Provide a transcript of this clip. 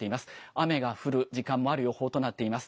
雨が降る時間もある予報となっています。